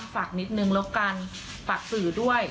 ฝากนิดนึงแล้วกันฝากสื่อด้วย